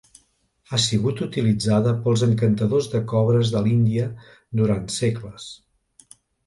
Ha sigut utilitzada pels encantadors de cobres de l'Índia durant segles.